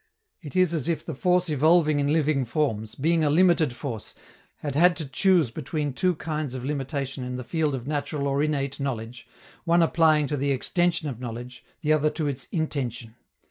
It is as if the force evolving in living forms, being a limited force, had had to choose between two kinds of limitation in the field of natural or innate knowledge, one applying to the extension of knowledge, the other to its intension.